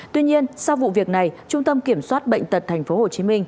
tuy nhiên sau vụ việc này trung tâm kiểm soát bệnh tật tp hcm